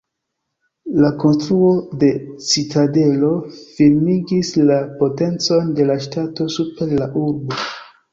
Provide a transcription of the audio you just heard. La konstruo de citadelo firmigis la potencon de la ŝtato super la urbo.